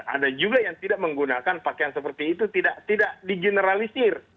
ada juga yang tidak menggunakan pakaian seperti itu tidak di generalisir